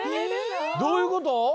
どういうこと？